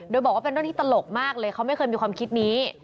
โดยบอกว่าเป็นเรื่องที่ตลกมากเลยเขาไม่เคยมีความคิดนี้